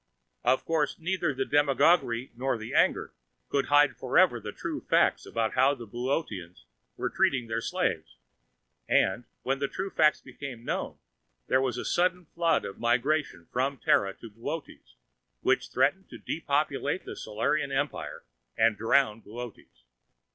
Of course, neither the demagogy nor the anger could hide forever the true facts about how the Boöteans were treating their "slaves," and when the true facts became known, there was a sudden flood of migration from Terra to Boötes, which threatened to depopulate the Solarian Empire and drown Boötes.